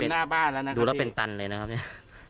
เต็มหน้าบ้านแล้วนะครับพี่ดูแล้วเป็นตันเลยนะครับเนี้ย